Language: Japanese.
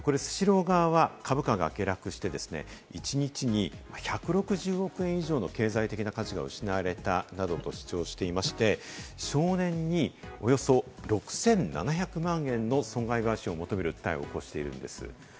スシロー側は株価が下落して、一日に１６０億円以上の経済的な価値が失われたなどと主張していまして、少年におよそ６７００万円の損害賠償を求める訴えを起こしているんです。